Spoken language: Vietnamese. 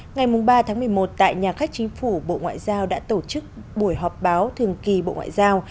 ngày ba một mươi một tại nhà khách chính phủ bộ ngoại giao đã tổ chức buổi họp báo thường kỳ bộ ngoại giao